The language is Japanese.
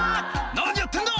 「何やってんだ！